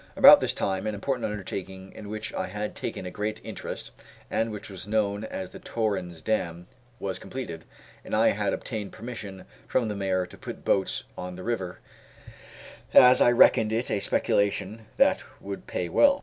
About this time an important undertaking in which I had taken a great interest, and which was known as the Torrens Dam, was completed, and I had obtained permission from the Mayor to put boats on the river, as I reckoned it a speculation that would pay well.